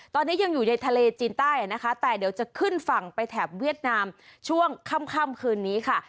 ตอนนี้ยังอยู่ในทะเลจีนใต้นะคะแต่เดี๋ยวจะขึ้นฝั่งไปแถบเวียดนามช่วงค่ำคืนนี้ค่ะ